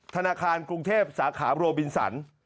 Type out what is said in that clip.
ธนาคารกรุงเทพฯสาขาโบราณบินสรรค์